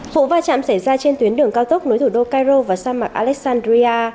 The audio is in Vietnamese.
vụ va chạm xảy ra trên tuyến đường cao tốc nối thủ đô cairo và sa mạc alexandria